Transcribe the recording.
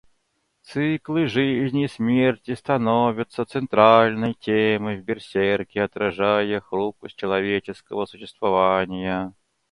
Циклы жизни и смерти становятся центральной темой в Берсерке, отражая хрупкость человеческого существования.